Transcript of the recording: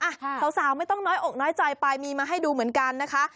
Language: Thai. สาวไม่ต้องน้อยอกน้อยใจไปมีมาให้ดูเหมือนกันนะคะ